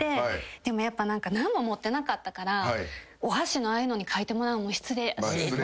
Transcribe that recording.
でも何も持ってなかったからお箸のああいうのに書いてもらうのも失礼やし。